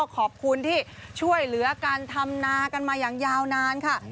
ขอบคุณที่ช่วยเหลือการทำนากันมาอย่างยาวนานค่ะ